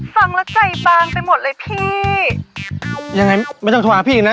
ฟังแล้วใจบางไปหมดเลยพี่เอายังไงไม่ต้องโทรหาพี่นะ